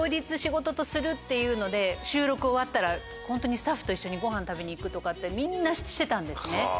っていうので収録終わったらスタッフと一緒にごはん食べに行くとかってみんなしてたんですね。